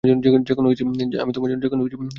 আমি তোমার জন্য যে কোনও কিছু করতে পারি!